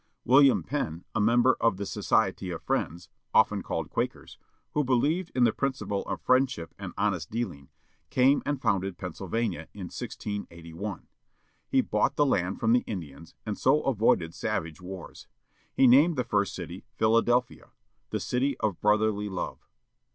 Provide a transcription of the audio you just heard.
William Penn, a member of the Society of Friends â often called Quakers â who believed in the principle of friendship and honest dealing, came and foimded Penn sylvania in 1 68 1. He bought the land from the Indians, and so avoided savage wars. He named the first city Philadelphia â the "City of Brotherly Love."